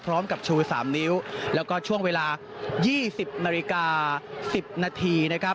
พร้อมกับชู๓นิ้วแล้วก็ช่วงเวลา๒๐นาฬิกา๑๐นาที